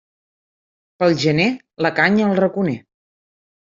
Pel gener, la canya al raconer.